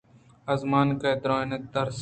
آزمانک ءِ درونت /درس .